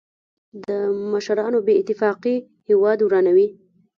د مشرانو بې اتفاقي هېواد ورانوي.